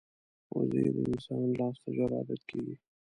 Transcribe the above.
وزې د انسان لاس ته ژر عادت کېږي